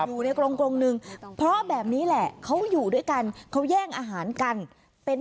กรงหนึ่งเพราะแบบนี้แหละเขาอยู่ด้วยกันเขาแย่งอาหารกันเป็น